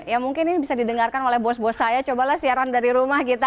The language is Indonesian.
ya mungkin ini bisa didengarkan oleh bos bos saya cobalah siaran dari rumah kita